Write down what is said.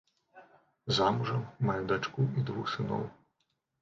Замужам, мае дачку і двух сыноў.